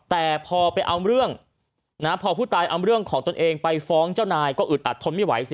แต่พอผู้ตายเอาเรื่องของตนเองไปฟ้องเจ้าหน่ายก็อึดอัดทนไม่ไหวสิครับ